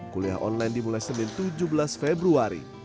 kuliah online dimulai senin tujuh belas februari